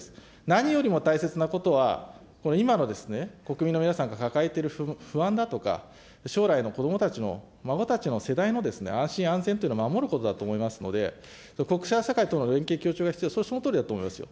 何よりも大切なことは、今の国民の皆さんが抱えている不安だとか、将来の子どもたちの孫たちの世代の安心安全というのを守ることだと思いますので、国際社会との連携協調が必要、そのとおりだと思いますよ。